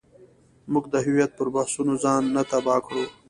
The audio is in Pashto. موږ د هویت پر بحثونو ځان نه تباه کړو.